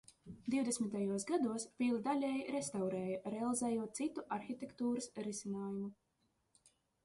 Divdesmitajos gados pili daļēji restaurēja, realizējot citu arhitektūras risinājumu.